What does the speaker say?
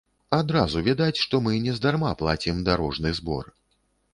Адразу відаць, што мы нездарма плацім дарожны збор!